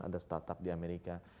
ada startup di amerika